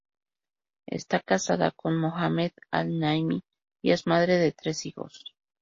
Está casada con Mohammed al-Nahmi y es madre de tres hijos.